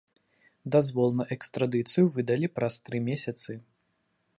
Дазвол на экстрадыцыю выдалі праз тры месяцы.